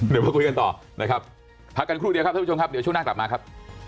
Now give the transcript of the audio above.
เดี๋ยวกลับมาช่วงหน้าเดี๋ยวพบกันกันต่อนะครับ